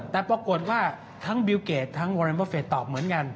แต่ปรากฏว่าทั้งบิลเกจทั้งมรดมัฟเฟทตอบเหมือนกัน